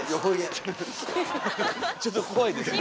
ちょっとこわいですね。